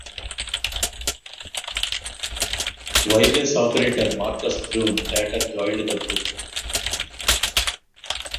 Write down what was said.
Wireless operator Marcus Bloom later joined the group.